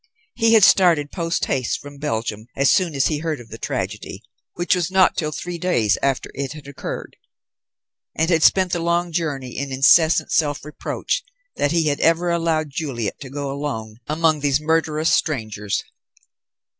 He had started post haste from Belgium as soon as he heard of the tragedy, which was not till three days after it had occurred, and had spent the long journey in incessant self reproach that he had ever allowed Juliet to go alone among these murderous strangers.